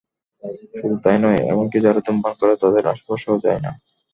শুধু তাই নয়, এমনকি যারা ধূমপান করে তাদের আশপাশেও যাই না।